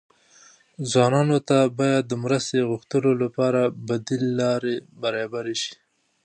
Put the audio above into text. ځوانانو ته باید د مرستې غوښتلو لپاره بدیل لارې برابرې شي.